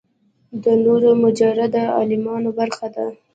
د نورو مجرده عالمونو برخه ده.